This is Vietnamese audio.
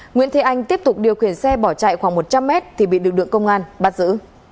nguyễn thế anh tiếp tục điều khiển xe bỏ chạy khoảng một trăm linh m thì bị đường đường công an bắt giữ